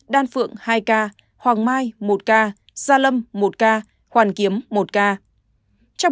đan phượng hai ca hoàng mai một ca gia lâm một ca hoàn kiếm một ca